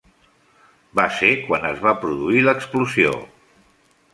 Va ser quan es va produir l'explosió.